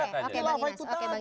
hilafah itu tadi